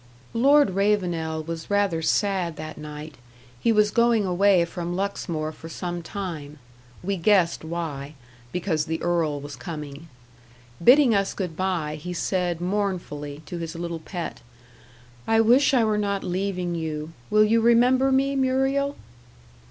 Lord Ravenel was rather sad that night; he was going away from Luxmore for some time. We guessed why because the earl was coming. Bidding us good bye, he said, mournfully, to his little pet, "I wish I were not leaving you. Will you remember me, Muriel?"